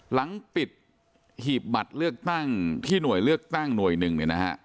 หลังปิดหีบบัตรเลือกตั้งที่หน่วยเลือกตั้งหน่วยหนึ่งเนี่ยนะฮะ